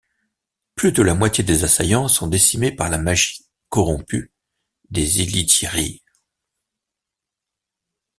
Plus de la moitié des assaillants sont décimés par la magie corrompue des Ilythiiri.